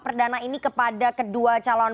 perdana ini kepada kedua calon